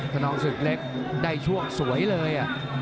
ขนองศึกเล็กได้ช่วงสวยเลย